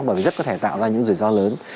bởi vì rất có thể tạo ra những rủi ro lớn